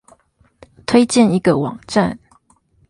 推薦一個網站